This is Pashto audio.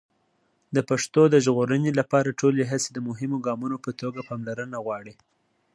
د پښتو د ژغورنې لپاره ټولې هڅې د مهمو ګامونو په توګه پاملرنه غواړي.